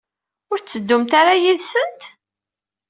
Ur tetteddumt ara yid-sent?